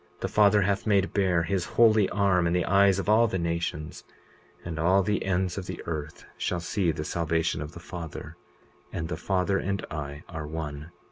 20:35 The Father hath made bare his holy arm in the eyes of all the nations; and all the ends of the earth shall see the salvation of the Father; and the Father and I are one.